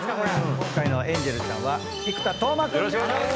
今回のエンジェルちゃんは生田斗真君でーす！